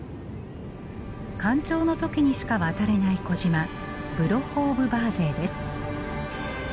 干潮の時にしか渡れない小島ブロッホ・オブ・バーゼイです。